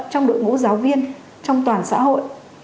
trong đội ngũ giáo viên trong toàn xã hội